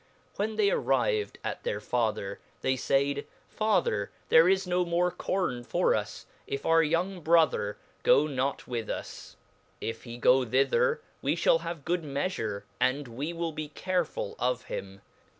Vv hen they arri ved at their father, they faid, father, there is no more corne for ~ us, if our young brother go not with us, if he go thither we fhal have good meafure, and we will be careful oi him.